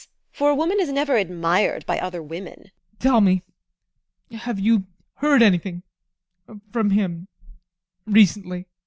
For a woman is never admired by other women. ADOLPH. Tell me, have you heard anything from him recently?